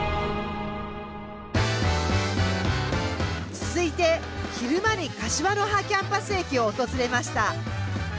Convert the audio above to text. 続いて昼間に柏の葉キャンパス駅を訪れました。